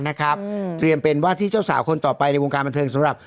เตรียมเป็นว่าที่เจ้าสาวคนต่อไปในวงการบันเทิงสำหรับ